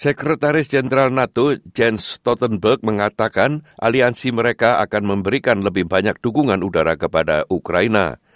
sekretaris jenderal nato jens stoltenberg mengatakan aliansi mereka akan memberikan lebih banyak dukungan udara kepada ukraina